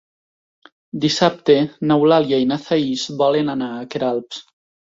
Dissabte n'Eulàlia i na Thaís volen anar a Queralbs.